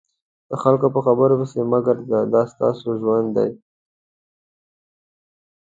د خلکو په خبرو پسې مه ګرځه دا ستاسو ژوند دی.